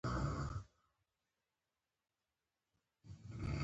قلم د روڼ اندو کار وسیله ده